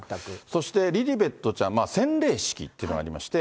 そしてリリベットちゃん、洗礼式っていうのがありまして。